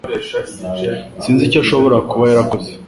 Sinzi icyo ashobora kuba yarakoze